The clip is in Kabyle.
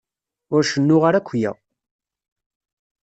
Ur cennuɣ ara akya.